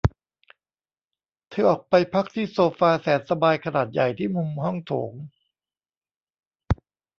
เธอออกไปพักที่โซฟาแสนสบายขนาดใหญ่ที่มุมห้องโถง